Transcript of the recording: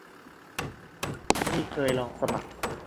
นี่เคยลองสมัคร